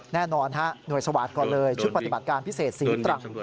แน่นอนฮะหน่วยสวาสตร์ก่อนเลยชุดปฏิบัติการพิเศษศรีตรัง